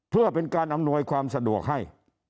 เพื่อเป็นการอำนวยความสะดวกให้